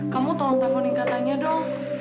kamu tolong teleponin katanya dong